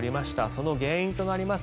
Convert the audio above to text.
その原因となります